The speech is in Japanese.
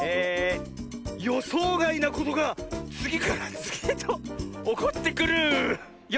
「よそうがいなことがつぎからつぎへとおこってくるよ！」。